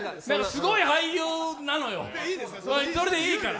すごい俳優なのよ、それでいいから。